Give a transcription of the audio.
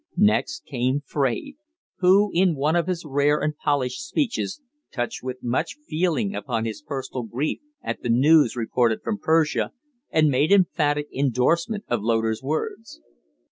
Next came Fraide, who, in one of his rare and polished speeches, touched with much feeling upon his personal grief at the news reported from Persia, and made emphatic indorsement of Loder's words.